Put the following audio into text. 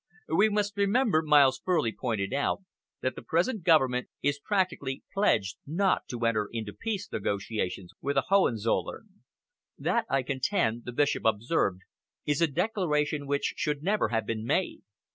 "We must remember," Miles Furley pointed out, "that the present Government is practically pledged not to enter into peace negotiations with a Hohenzollern." "That, I contend," the Bishop observed, "is a declaration which should never have been made.